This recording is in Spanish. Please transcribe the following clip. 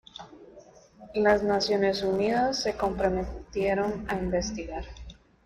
Las Naciones Unidas se comprometieron a investigar.